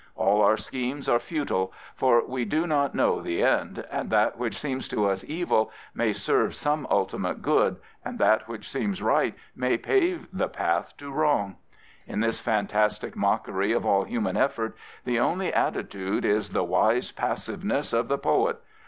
All our schemes are futile, for we do not know the end, and that which seems to us evil may s8 Arthur James Balfour serve some ultimate good, and that which seems right may pave the path to wrong. In this fantastic mockery of all human effort the only attitude is the wise passiveness " of the poet.